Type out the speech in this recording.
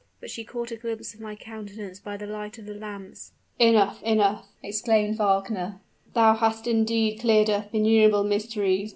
But she caught a glimpse of my countenance by the light of the lamps " "Enough! enough!" exclaimed Wagner; "thou hast indeed cleared up innumerable mysteries!